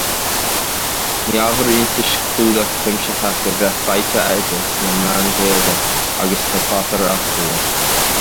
Ní ábhar iontais clúdach cuimsitheach a bheith faighte aige sna meáin Ghaeilge agus sna páipéir áitiúla.